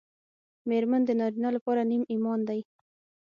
مېرمن د نارینه لپاره نیم ایمان دی